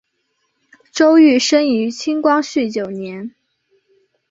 周珏生于清光绪九年。